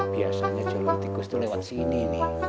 biasanya jalan tikus lewat sini nih